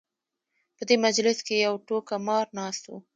په دې مجلس کې یو ټوکه مار ناست و.